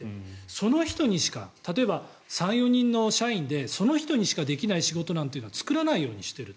その人にしか例えば３４人の社員でその人にしかできない仕事というのは作らないようにしていると。